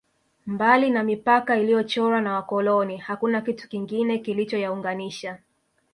Mbali na mipaka iliyochorwa na wakoloni hakuna kitu kingine kilichoyaunganisha